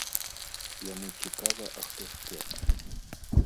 Яму цікава, а хто ж першы.